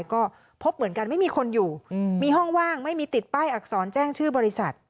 ก็พบเหมือนกันไม่มีคนอยู่มีห้องว่างไม่มีติดป้ายอักษรแจ้งชื่อบริษัท